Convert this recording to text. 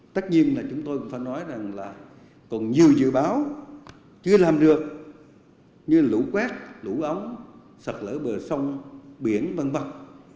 tất nhiên là chúng tôi cũng phải nói rằng là còn nhiều dự báo chưa làm được như lũ quét lũ ống sạch lỡ bờ sông biển văn vật